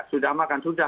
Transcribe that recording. sudah makan sudah